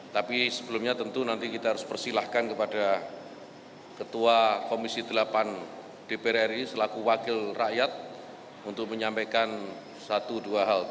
tapi sebelumnya tentu nanti kita harus persilahkan kepada ketua komisi delapan dpr ri selaku wakil rakyat untuk menyampaikan satu dua hal